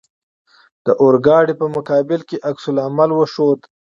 د اورګاډي په مقابل کې عکس العمل وښود.